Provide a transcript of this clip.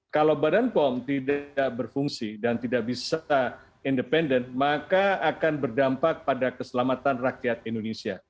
kalau badan pom tidak berfungsi dan tidak bisa independen maka akan berdampak pada keselamatan rakyat indonesia